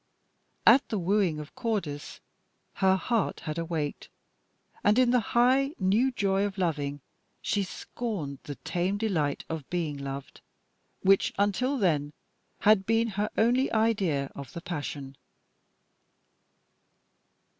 At the wooing of Cordis her heart had awaked, and in the high, new joy of loving, she scorned the tame delight of being loved, which, until then, had been her only idea of the passion.